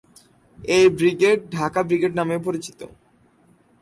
এই brigade Dhaka brigade নামেও পরিচিত।